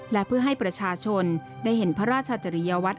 และเพื่อให้ประชาชนได้เห็นพระราชจริยวัตร